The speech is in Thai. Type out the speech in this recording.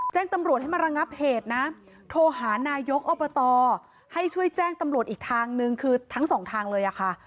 แจ้งตำรวจให้มาระงับเหตุนะโทรหานายกอบตให้ช่วยแจ้งตำรวจอีกทางนึงคือทั้งสองทางเลยอะค่ะ